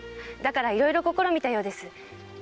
だからいろいろ試みたようです。